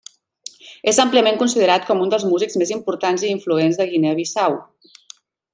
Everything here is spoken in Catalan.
És àmpliament considerat com un dels músics més importants i influents de Guinea Bissau.